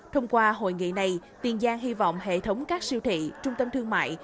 thông qua hội nghị này tiền giang hy vọng hệ thống các siêu thị trung tâm thương mại